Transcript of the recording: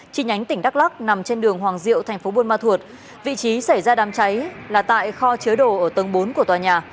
chi nhánh tỉnh đắk lắc nằm trên đường hoàng diệu thành phố buôn ma thuột vị trí xảy ra đám cháy là tại kho chứa đồ ở tầng bốn của tòa nhà